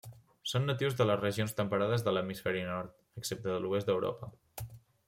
Són natius de les regions temperades de l'hemisferi nord, excepte de l'oest d'Europa.